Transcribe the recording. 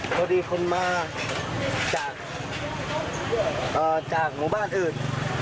พอดีคนมาจากหมู่บ้านอื่น